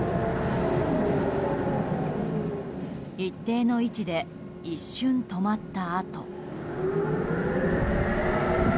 一定の位置で一瞬、止まったあと。